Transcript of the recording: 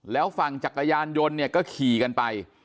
แล้วฝั่งจักรยานยนต์เนี่ยก็ขี่กันไป